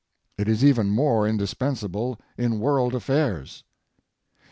It is even more indispensable in world affairs.